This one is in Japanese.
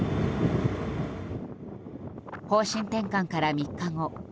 方針転換から３日後